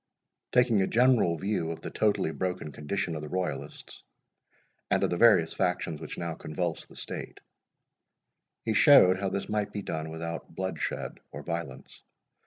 Taking a general view of the totally broken condition of the Royalists, and of the various factions which now convulsed the state, he showed how this might be done without bloodshed or violence.